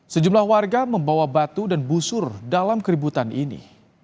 sejumlah warga membawa batu dan busur dalam keributan ini